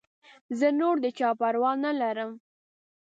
زه نور د چا پروا نه لرم.